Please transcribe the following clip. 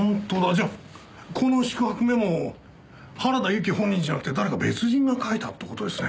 じゃあこの宿泊メモ原田由紀本人じゃなくて誰か別人が書いたって事ですね。